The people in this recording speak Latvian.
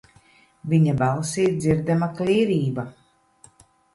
Viņa balsī dzirdama klīrība.